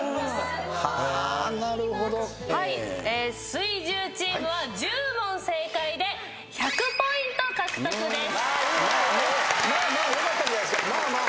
水１０チームは１０問正解で１００ポイント獲得です。